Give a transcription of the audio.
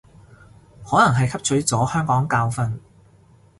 可能係汲取咗香港教訓